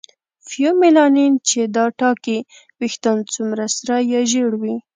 فیومیلانین چې دا ټاکي ویښتان څومره سره یا ژېړ وي.